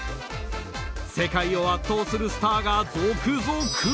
世界を圧倒するスターが続々！